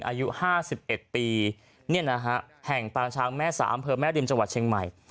อายุ๕๑ปีเนี่ยนะฮะแห่งปลางช้างแม่สาอำเภอแม่ริมจเชี่ยงใหม่